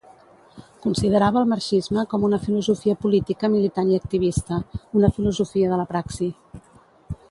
Considerava al Marxisme com una filosofia política militant i activista, una filosofia de la praxi.